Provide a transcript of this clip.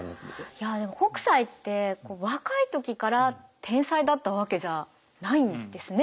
いやでも北斎って若い時から天才だったわけじゃないんですね。